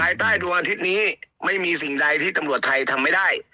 ใป้จานอย่าทิตย์นี้ไม่มีสิ่งใดที่ประโหลทัยมั้ยได้